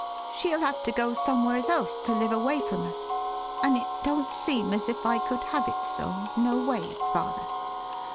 She'll have to go somewheres else to live away from us, an' it don't seem as if I could have it so, noways, father.